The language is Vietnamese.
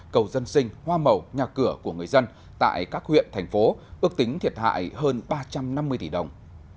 cầu dân sinh hoa màu nhà cửa của người dân tại các huyện thành phố ước tính thiệt hại hơn ba trăm năm mươi tỷ đồng